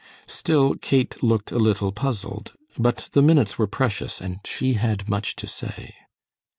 Still Kate looked a little puzzled, but the minutes were precious, and she had much to say.